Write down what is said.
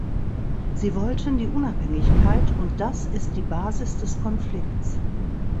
Sie wollten die Unabhängigkeit, und das ist die Basis des Konflikts.